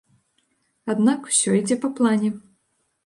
Аднак усё ідзе па плане.